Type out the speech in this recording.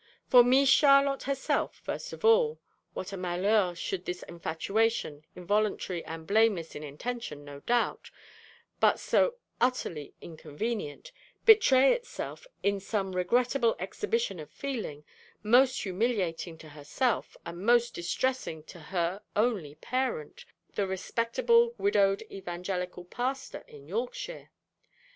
For 'Mees Charlotte' herself, first of all what a 'malheur' should this 'infatuation,' involuntary and blameless in intention, no doubt, but so utterly inconvenient, betray itself in some regrettable exhibition of feeling, most humiliating to herself, and most distressing to her only parent, the respectable widowed evangelical Pastor in Yorkshire!